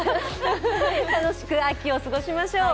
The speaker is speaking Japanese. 楽しく秋を過ごしましょう。